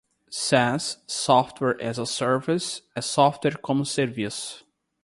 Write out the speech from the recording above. SaaS (Software as a Service) é software como serviço.